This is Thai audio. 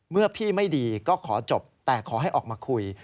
เมื่อพี่ไม่ดีก็ขอจบแต่ขอให้ออกมาคุย